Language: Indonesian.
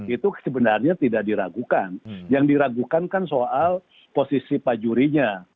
itu sebenarnya tidak diragukan yang diragukan kan soal posisi pak jurinya